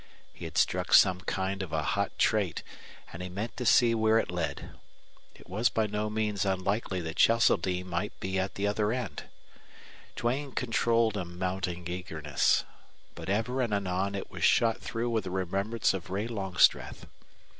He had struck some kind of a hot trait, and he meant to see where it led. It was by no means unlikely that Cheseldine might be at the other end. Duane controlled a mounting eagerness. But ever and anon it was shot through with a remembrance of Ray Longstreth.